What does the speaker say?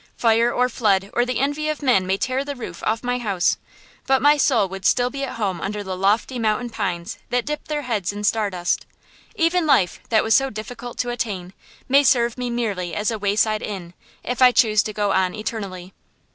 Fire or flood or the envy of men may tear the roof off my house, but my soul would still be at home under the lofty mountain pines that dip their heads in star dust. Even life, that was so difficult to attain, may serve me merely as a wayside inn, if I choose to go on eternally.